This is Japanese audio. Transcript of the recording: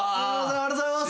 ありがとうございます。